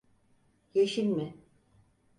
Yeşil mi?